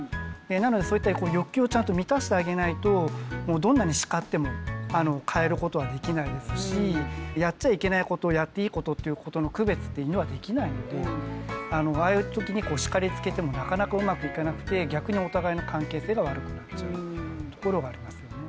なのでそういった欲求をちゃんと満たしてあげないとどんなに叱っても変えることはできないですしやっちゃいけないことやっていいことっていうことの区別って犬はできないのでああいう時に叱りつけてもなかなかうまくいかなくて逆にお互いの関係性が悪くなっちゃうところがありますよね。